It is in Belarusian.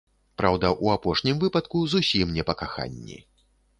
Праўда, у апошнім выпадку зусім не па каханні.